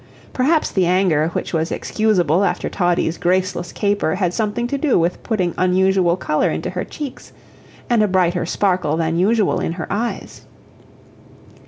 Perhaps the anger which was excusable after Toddie's graceless caper had something to do with putting unusual color into her cheeks, and a brighter sparkle than usual in her eyes.